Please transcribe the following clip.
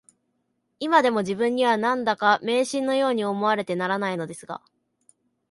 いまでも自分には、何だか迷信のように思われてならないのですが